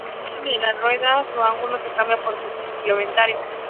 Si C cruza la cuerda, su ángulo se cambia por su suplementario.